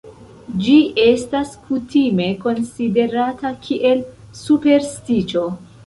Ĝi estas kutime konsiderata kiel superstiĉo.